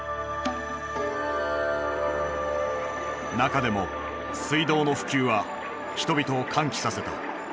中でも水道の普及は人々を歓喜させた。